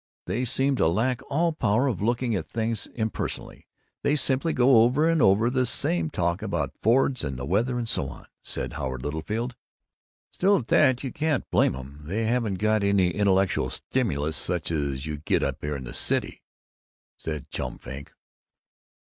They seem to lack all power of looking at things impersonally. They simply go over and over the same talk about Fords and the weather and so on," said Howard Littlefield. "Still, at that, you can't blame 'em. They haven't got any intellectual stimulus such as you get up here in the city," said Chum Frink.